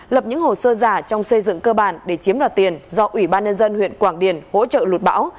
lập những hồ sơ giả trong xây dựng cơ bản để chiếm đoạt tiền do ủy ban nhân dân huyện quảng điền hỗ trợ lụt bão